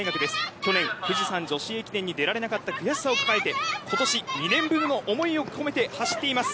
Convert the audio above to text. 去年、富士山女子駅伝に出られなかった悔しさを抱えて今年２年ぶりの思いをこめて走っています